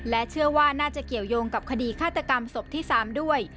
เชื่อว่าน่าจะเกี่ยวยงกับคดีฆาตกรรมศพที่๓ด้วย